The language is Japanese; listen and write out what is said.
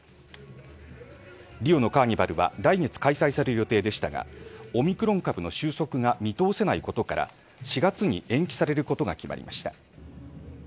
リオのカーニバルは来月開催される予定でしたがオミクロン株の収束が見通せないことから４月に延期されることが決まりました。